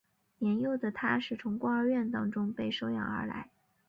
年幼的他是从孤儿院中被收养而来。